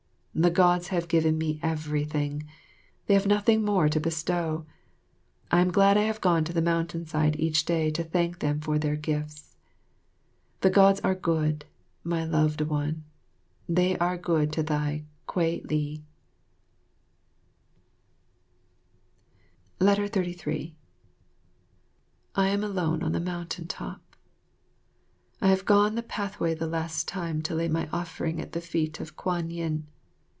The Gods have given me everything; they have nothing more to bestow. I am glad I have gone to the mountain side each day to thank them for their gifts. The Gods are good, my loved one, they are good to thy, Kwei li. 33 I am alone on the mountain top. I have gone the pathway the last time to lay my offering at the feet of Kwan yin.